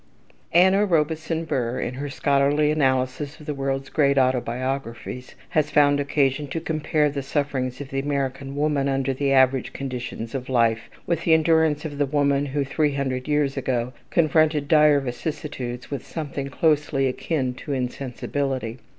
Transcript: Anna Robeson Burr, in her scholarly analysis of the world's great autobiographies, has found occasion to compare the sufferings of the American woman under the average conditions of life with the endurance of the woman who, three hundred years ago, confronted dire vicissitudes with something closely akin to insensibility.